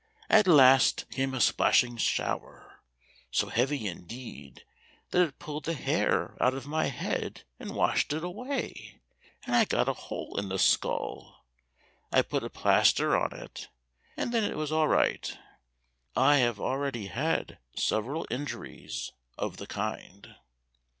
At last came a splashing shower, so heavy indeed, that it pulled the hair out of my head and washed it away, and I got a hole in the skull; I put a plaster on it, and then it was all right. I have already had several injuries of that kind."